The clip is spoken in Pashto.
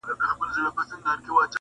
خپل ملي بیرغونه پورته کوي -